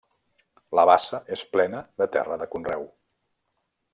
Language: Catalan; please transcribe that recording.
La bassa és plena de terra de conreu.